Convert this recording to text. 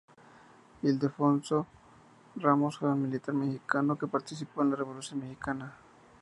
Ildefonso Ramos fue un militar mexicano que participó en la Revolución mexicana.